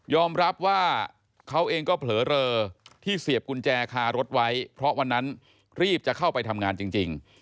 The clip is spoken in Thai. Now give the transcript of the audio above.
รับว่าเขาเองก็เผลอเลอที่เสียบกุญแจคารถไว้เพราะวันนั้นรีบจะเข้าไปทำงานจริง